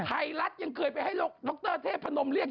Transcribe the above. ไทยรัฐยังเคยไปให้ดรเทพนมเรียก